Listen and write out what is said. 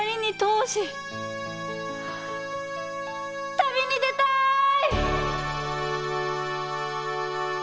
旅にでたい！